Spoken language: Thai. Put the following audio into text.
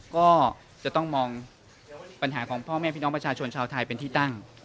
ก็จะต้องมองปัญหาของพ่อแม่พี่น้องประชาชนชาวไทยเป็นที่ตั้ง